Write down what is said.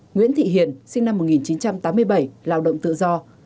nguyễn thị hiền sinh năm một nghìn chín trăm tám mươi bảy lao động tự do